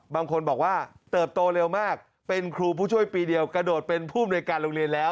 บางคนบอกว่าเติบโตเร็วมากเป็นครูผู้ช่วยปีเดียวกระโดดเป็นผู้อำนวยการโรงเรียนแล้ว